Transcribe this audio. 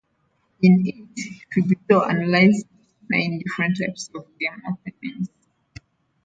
In it, Philidor analyzed nine different types of game openings.